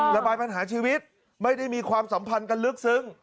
ระบายปัญหาชีวิตไม่ได้มีความสัมพันธ์กันลึกซึ้ง